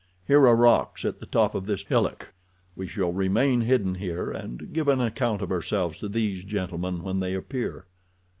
Here are rocks at the top of this hillock. We shall remain hidden here and give an account of ourselves to these gentlemen when they appear."